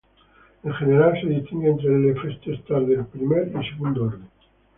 En general se distingue entre el efecto Stark de primer y segundo orden.